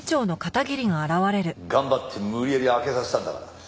頑張って無理やり空けさせたんだから。